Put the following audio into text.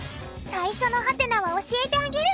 最初のハテナは教えてあげる！